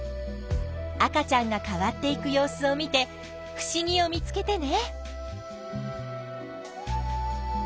赤ちゃんが変わっていく様子を見てふしぎを見つけてね。